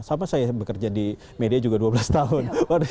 sama saya bekerja di media juga dua belas tahun